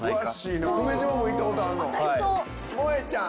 もえちゃん。